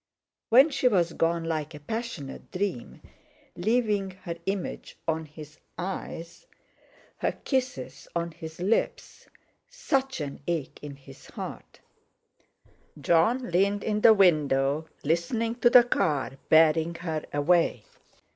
When she was gone like a passionate dream, leaving her image on his eyes, her kisses on his lips, such an ache in his heart, Jon leaned in the window, listening to the car bearing her away.